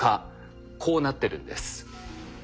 こうなってるんです。